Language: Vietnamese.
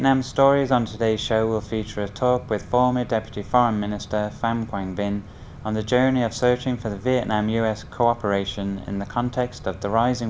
năm hai nghìn hai mươi là mốc thời gian đặc biệt quan trọng đánh dấu năm năm thành lập cộng đồng asean